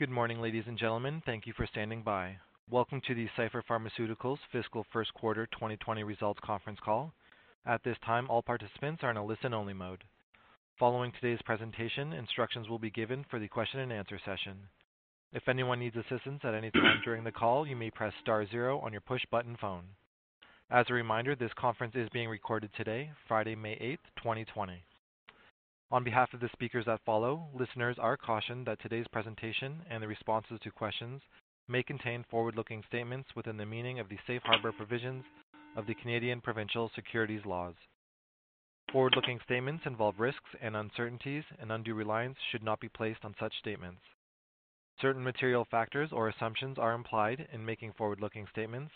Good morning, ladies and gentlemen. Thank you for standing by. Welcome to the Cipher Pharmaceuticals fiscal first quarter 2020 results conference call. At this time, all participants are in a listen-only mode. Following today's presentation, instructions will be given for the question-and-answer session. If anyone needs assistance at any time during the call, you may press star zero on your push-button phone. As a reminder, this conference is being recorded today, Friday, May 8th, 2020. On behalf of the speakers that follow, listeners are cautioned that today's presentation and the responses to questions may contain forward-looking statements within the meaning of the safe harbor provisions of the Canadian Provincial Securities Laws. Forward-looking statements involve risks and uncertainties, and undue reliance should not be placed on such statements. Certain material factors or assumptions are implied in making forward-looking statements,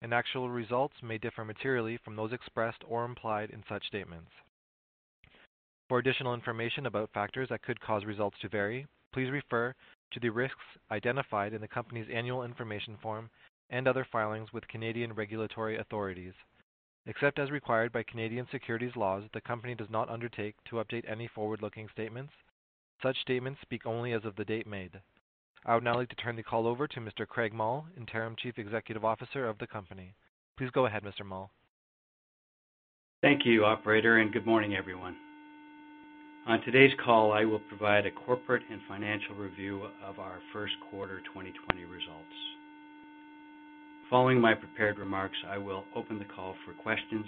and actual results may differ materially from those expressed or implied in such statements. For additional information about factors that could cause results to vary, please refer to the risks identified in the company's Annual Information Form and other filings with Canadian regulatory authorities. Except as required by Canadian Securities Laws, the company does not undertake to update any forward-looking statements. Such statements speak only as of the date made. I would now like to turn the call over to Mr. Craig Mull, Interim Chief Executive Officer of the company. Please go ahead, Mr. Mull. Thank you, Operator, and good morning, everyone. On today's call, I will provide a corporate and financial review of our first quarter 2020 results. Following my prepared remarks, I will open the call for questions.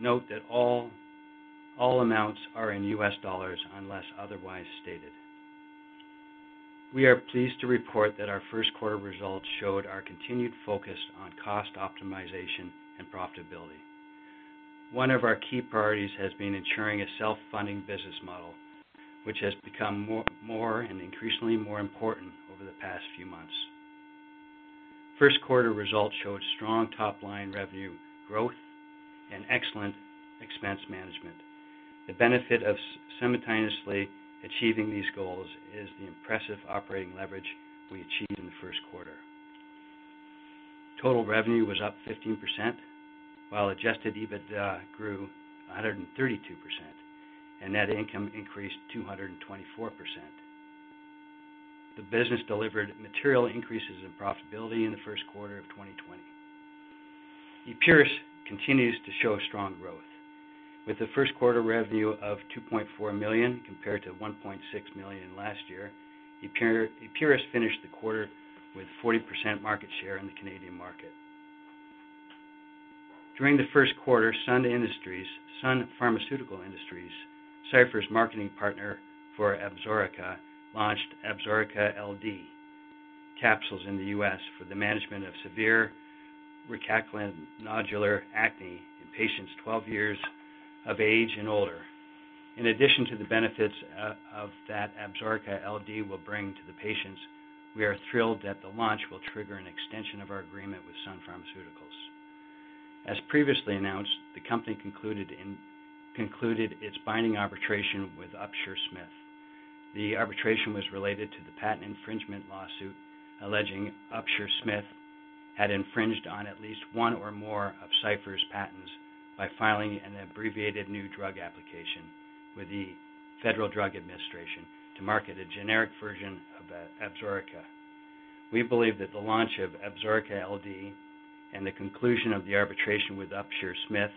Note that all amounts are in U.S. dollars unless otherwise stated. We are pleased to report that our first quarter results showed our continued focus on cost optimization and profitability. One of our key priorities has been ensuring a self-funding business model, which has become more and increasingly more important over the past few months. First quarter results showed strong top-line revenue growth and excellent expense management. The benefit of simultaneously achieving these goals is the impressive operating leverage we achieved in the first quarter. Total revenue was up 15%, while Adjusted EBITDA grew 132%, and net income increased 224%. The business delivered material increases in profitability in the first quarter of 2020. Epuris continues to show strong growth. With the first quarter revenue of $2.4 million compared to $1.6 million last year, Epuris finished the quarter with 40% market share in the Canadian market. During the first quarter, Sun Pharmaceutical Industries, Cipher's marketing partner for Absorica, launched Absorica LD capsules in the U.S. for the management of severe recalcitrant nodular acne in patients 12 years of age and older. In addition to the benefits that Absorica LD will bring to the patients, we are thrilled that the launch will trigger an extension of our agreement with Sun Pharmaceuticals. As previously announced, the company concluded its binding arbitration with Upsher-Smith. The arbitration was related to the patent infringement lawsuit, alleging Upsher-Smith had infringed on at least one or more of Cipher's patents by filing an Abbreviated New Drug Application with the Food and Drug Administration to market a generic version of Absorica. We believe that the launch of Absorica LD and the conclusion of the arbitration with Upsher-Smith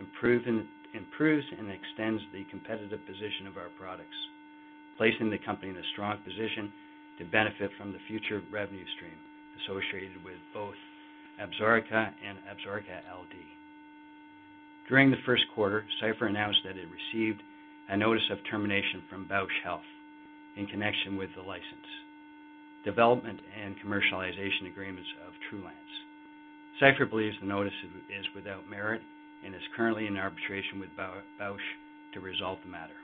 improves and extends the competitive position of our products, placing the company in a strong position to benefit from the future revenue stream associated with both Absorica and Absorica LD. During the first quarter, Cipher announced that it received a notice of termination from Bausch Health in connection with the license, development, and commercialization agreements of Trulance. Cipher believes the notice is without merit and is currently in arbitration with Bausch to resolve the matter.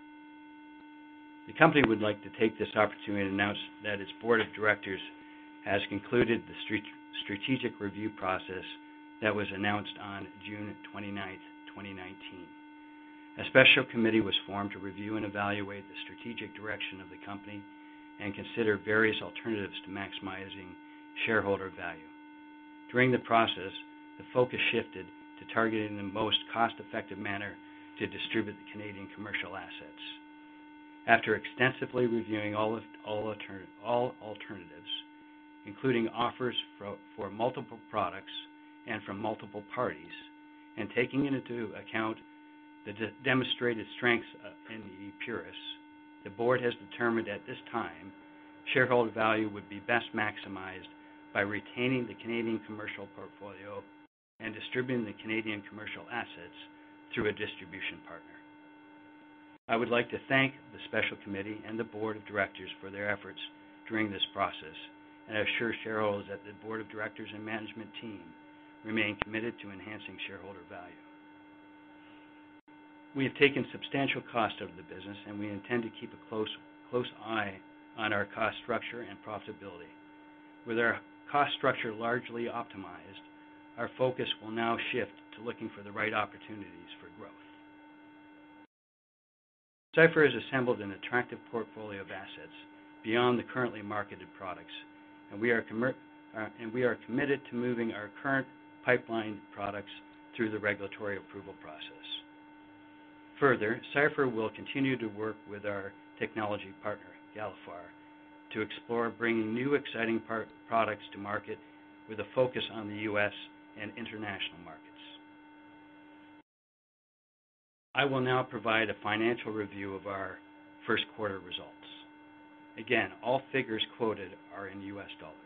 The company would like to take this opportunity to announce that its board of directors has concluded the strategic review process that was announced on June 29th, 2019. A special committee was formed to review and evaluate the strategic direction of the company and consider various alternatives to maximizing shareholder value. During the process, the focus shifted to targeting the most cost-effective manner to distribute the Canadian commercial assets. After extensively reviewing all alternatives, including offers for multiple products and from multiple parties, and taking into account the demonstrated strengths in the Epuris, the board has determined at this time shareholder value would be best maximized by retaining the Canadian commercial portfolio and distributing the Canadian commercial assets through a distribution partner. I would like to thank the special committee and the board of directors for their efforts during this process and assure shareholders that the board of directors and management team remain committed to enhancing shareholder value. We have taken substantial costs out of the business, and we intend to keep a close eye on our cost structure and profitability. With our cost structure largely optimized, our focus will now shift to looking for the right opportunities for growth. Cipher has assembled an attractive portfolio of assets beyond the currently marketed products, and we are committed to moving our current pipeline products through the regulatory approval process. Further, Cipher will continue to work with our technology partner, Galephar, to explore bringing new exciting products to market with a focus on the U.S. and international markets. I will now provide a financial review of our first quarter results. Again, all figures quoted are in U.S. dollars.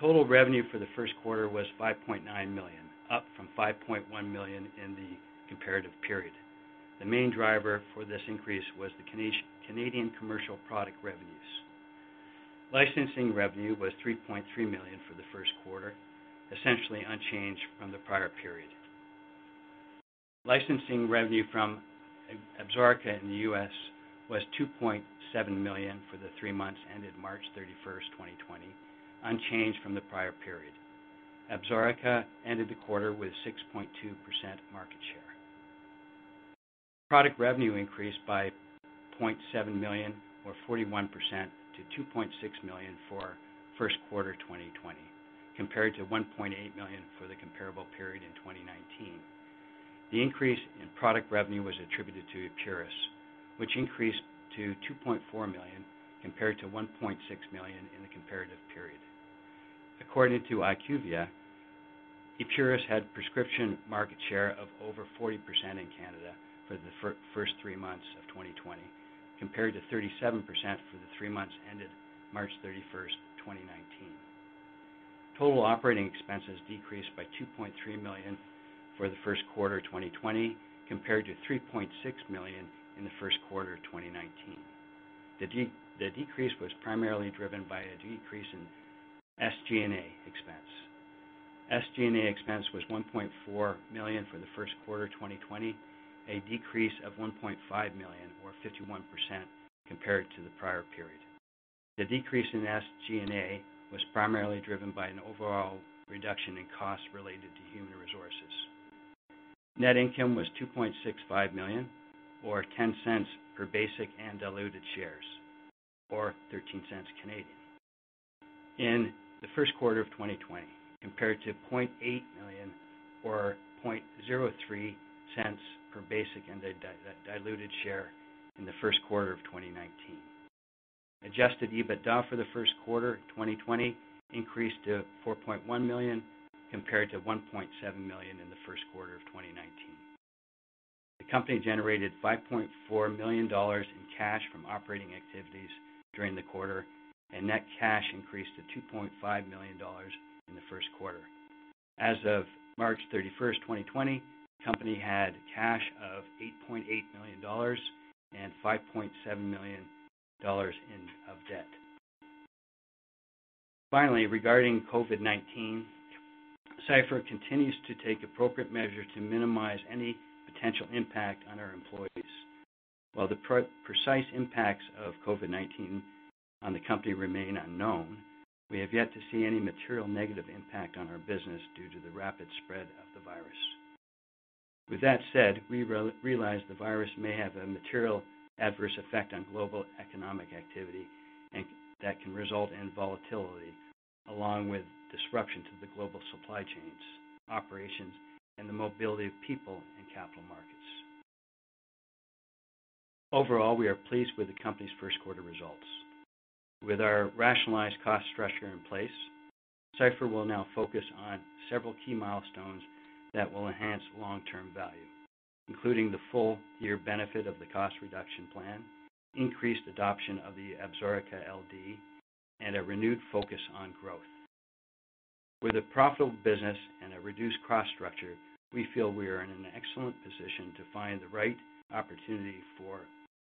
Total revenue for the first quarter was $5.9 million, up from $5.1 million in the comparative period. The main driver for this increase was the Canadian commercial product revenues. Licensing revenue was $3.3 million for the first quarter, essentially unchanged from the prior period. Licensing revenue from Absorica in the U.S. was $2.7 million for the three months ended March 31st, 2020, unchanged from the prior period. Absorica ended the quarter with 6.2% market share. Product revenue increased by $0.7 million, or 41%, to $2.6 million for first quarter 2020, compared to $1.8 million for the comparable period in 2019. The increase in product revenue was attributed to Epuris, which increased to $2.4 million compared to $1.6 million in the comparative period. According to IQVIA, Epuris had prescription market share of over 40% in Canada for the first three months of 2020, compared to 37% for the three months ended March 31st, 2019. Total operating expenses decreased by $2.3 million for the first quarter 2020, compared to $3.6 million in the first quarter 2019. The decrease was primarily driven by a decrease in SG&A expense. SG&A expense was $1.4 million for the first quarter 2020, a decrease of $1.5 million, or 51%, compared to the prior period. The decrease in SG&A was primarily driven by an overall reduction in costs related to human resources. Net income was $2.65 million, or $0.10 per basic and diluted shares, or 0.13 in the first quarter of 2020, compared to $0.8 million, or $0.03 per basic and diluted share in the first quarter of 2019. Adjusted EBITDA for the first quarter 2020 increased to $4.1 million, compared to $1.7 million in the first quarter of 2019. The company generated $5.4 million in cash from operating activities during the quarter, and net cash increased to $2.5 million in the first quarter. As of March 31st, 2020, the company had cash of $8.8 million and $5.7 million of debt. Finally, regarding COVID-19, Cipher continues to take appropriate measures to minimize any potential impact on our employees. While the precise impacts of COVID-19 on the company remain unknown, we have yet to see any material negative impact on our business due to the rapid spread of the virus. With that said, we realize the virus may have a material adverse effect on global economic activity and that can result in volatility, along with disruption to the global supply chains, operations, and the mobility of people and capital markets. Overall, we are pleased with the company's first quarter results. With our rationalized cost structure in place, Cipher will now focus on several key milestones that will enhance long-term value, including the full-year benefit of the cost reduction plan, increased adoption of the Absorica LD, and a renewed focus on growth. With a profitable business and a reduced cost structure, we feel we are in an excellent position to find the right opportunity for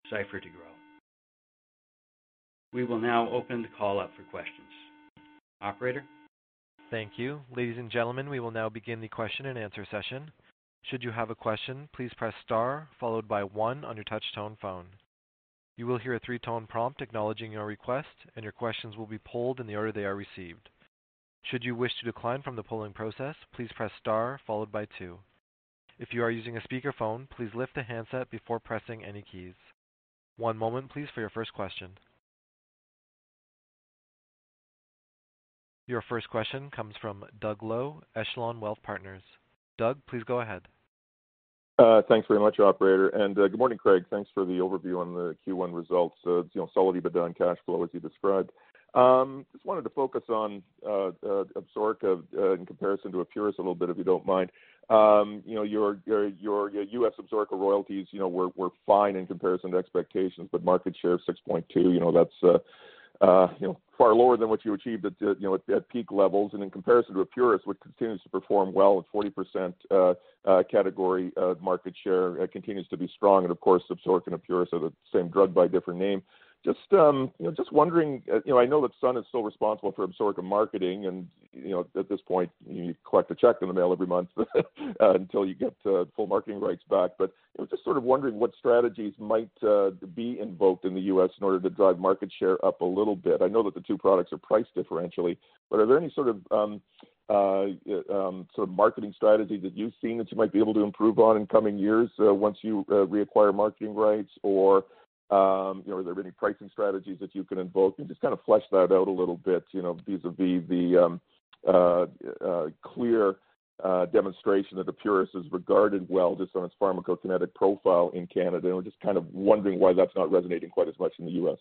Cipher to grow. We will now open the call up for questions. Operator? Thank you. Ladies and gentlemen, we will now begin the question-and-answer session. Should you have a question, please press star followed by one on your touch-tone phone. You will hear a three-tone prompt acknowledging your request, and your questions will be polled in the order they are received. Should you wish to decline from the polling process, please press star followed by two. If you are using a speakerphone, please lift the handset before pressing any keys. One moment, please, for your first question. Your first question comes from Doug Loe, Echelon Wealth Partners. Doug, please go ahead. Thanks very much, Operator, and good morning, Craig. Thanks for the overview on the Q1 results. Solid EBITDA and cash flow, as you described. Just wanted to focus on Absorica in comparison to Epuris a little bit, if you don't mind. Your U.S. Absorica royalties were fine in comparison to expectations, but market share of 6.2, that's far lower than what you achieved at peak levels, and in comparison to Epuris, which continues to perform well at 40% category market share, continues to be strong. And of course, Absorica and Epuris are the same drug by a different name. Just wondering, I know that Sun is still responsible for Absorica marketing, and at this point, you collect a check in the mail every month until you get full marketing rights back. But just sort of wondering what strategies might be invoked in the U.S. in order to drive market share up a little bit. I know that the two products are priced differentially, but are there any sort of marketing strategies that you've seen that you might be able to improve on in coming years once you reacquire marketing rights? Or are there any pricing strategies that you can invoke? And just kind of flesh that out a little bit vis-à-vis the clear demonstration that Epuris is regarded well just on its pharmacokinetic profile in Canada. And we're just kind of wondering why that's not resonating quite as much in the U.S.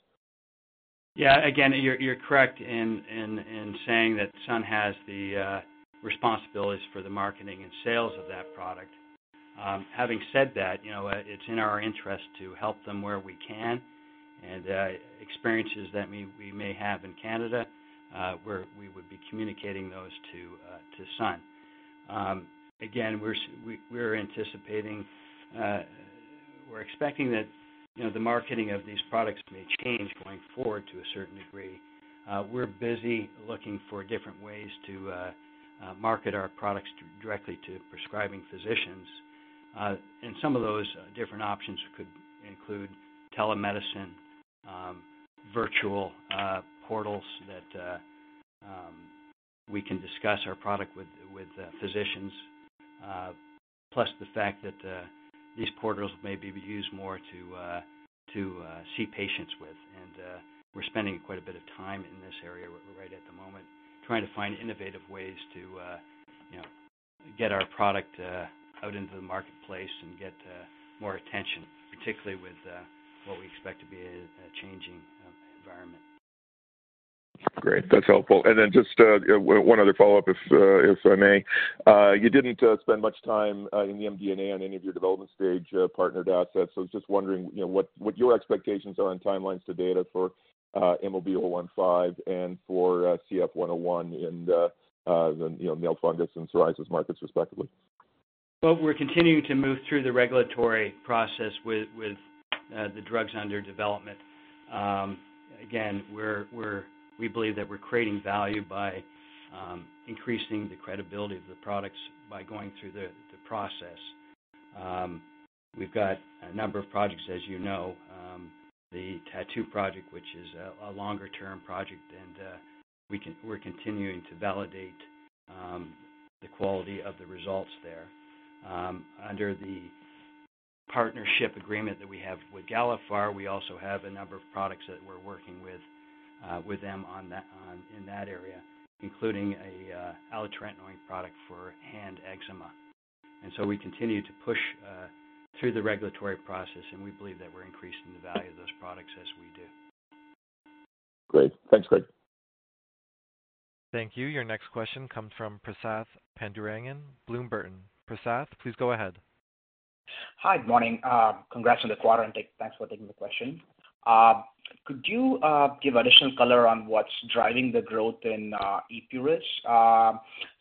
Yeah. Again, you're correct in saying that Sun has the responsibilities for the marketing and sales of that product. Having said that, it's in our interest to help them where we can. And experiences that we may have in Canada, we would be communicating those to Sun. Again, we're expecting that the marketing of these products may change going forward to a certain degree. We're busy looking for different ways to market our products directly to prescribing physicians. And some of those different options could include telemedicine, virtual portals that we can discuss our product with physicians, plus the fact that these portals may be used more to see patients with. We're spending quite a bit of time in this area right at the moment trying to find innovative ways to get our product out into the marketplace and get more attention, particularly with what we expect to be a changing environment. Great. That's helpful. And then just one other follow-up, if I may. You didn't spend much time in the MD&A on any of your development stage partnered assets. So I was just wondering what your expectations are on timelines to data for MOB-015 and for CF-101 in the nail fungus and psoriasis markets, respectively. We're continuing to move through the regulatory process with the drugs under development. Again, we believe that we're creating value by increasing the credibility of the products by going through the process. We've got a number of projects, as you know, the tattoo project, which is a longer-term project, and we're continuing to validate the quality of the results there. Under the partnership agreement that we have with Galephar, we also have a number of products that we're working with them on in that area, including an alitretinoin product for hand eczema. We continue to push through the regulatory process, and we believe that we're increasing the value of those products as we do. Great. Thanks, Craig. Thank you. Your next question comes from Prasath Pandurangan, Bloom Burton. Prasath, please go ahead. Hi. Good morning. Congrats on the quarter, and thanks for taking the question. Could you give additional color on what's driving the growth in Epuris?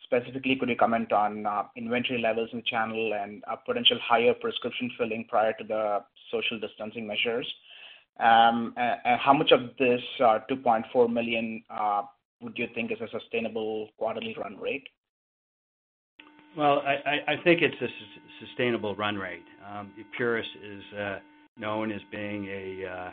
Specifically, could you comment on inventory levels in the channel and potential higher prescription filling prior to the social distancing measures? And how much of this $2.4 million would you think is a sustainable quarterly run rate? I think it's a sustainable run rate. Epuris is known as being a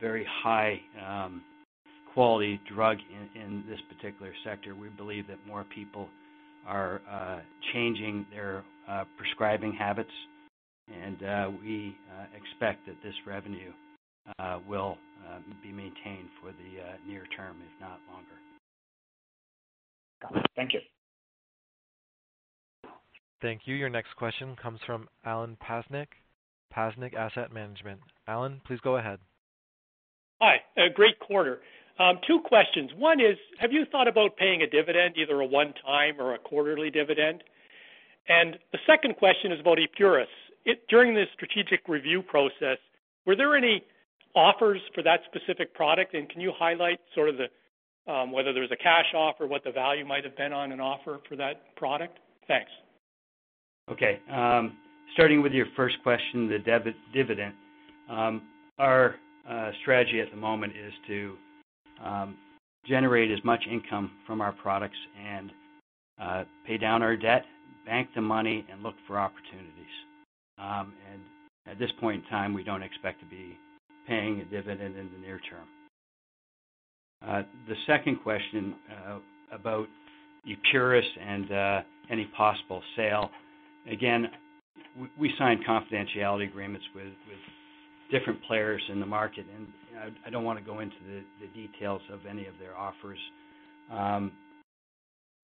very high-quality drug in this particular sector. We believe that more people are changing their prescribing habits, and we expect that this revenue will be maintained for the near term, if not longer. Got it. Thank you. Thank you. Your next question comes from Alan Pasnik, Pasnik Asset Management. Alan, please go ahead. Hi. Great quarter. Two questions. One is, have you thought about paying a dividend, either a one-time or a quarterly dividend? And the second question is about Epuris. During the strategic review process, were there any offers for that specific product? And can you highlight sort of whether there was a cash offer, what the value might have been on an offer for that product? Thanks. Okay. Starting with your first question, the dividend, our strategy at the moment is to generate as much income from our products and pay down our debt, bank the money, and look for opportunities. And at this point in time, we don't expect to be paying a dividend in the near term. The second question about Epuris and any possible sale, again, we signed confidentiality agreements with different players in the market, and I don't want to go into the details of any of their offers.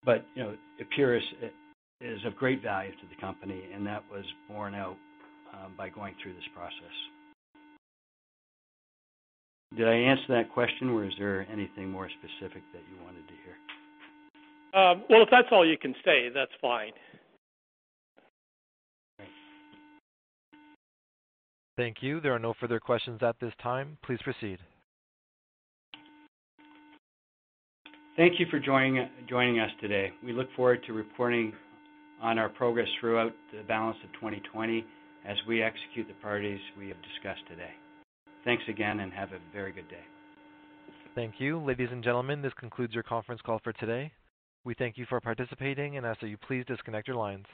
But Epuris is of great value to the company, and that was borne out by going through this process. Did I answer that question, or is there anything more specific that you wanted to hear? If that's all you can say, that's fine. Thank you. There are no further questions at this time. Please proceed. Thank you for joining us today. We look forward to reporting on our progress throughout the balance of 2020 as we execute the priorities we have discussed today. Thanks again, and have a very good day. Thank you. Ladies and gentlemen, this concludes your conference call for today. We thank you for participating, and ask that you please disconnect your lines.